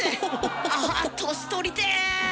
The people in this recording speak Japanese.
あ年取りてぇ。